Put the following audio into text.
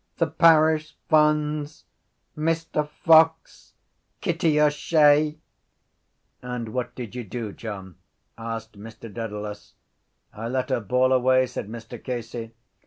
The Paris Funds! Mr Fox! Kitty O’Shea!_ —And what did you do, John? asked Mr Dedalus. —I let her bawl away, said Mr Casey.